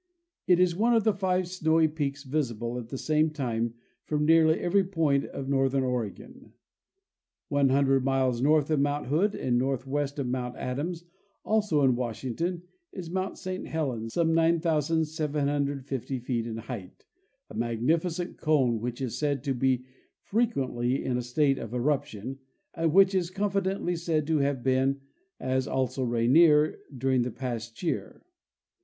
It is one of the five snowy peaks visible at the same time from nearly every point of northern Oregon. One hundred miles north of mount Hood and northwest of mount Adams, also in Washington, is mount Saint Helens, some 9,750 feet in height, a magnificent cone, which is said to be frequently in a state of eruption, and which is confidently said to have been (as also Rainier) during the past year.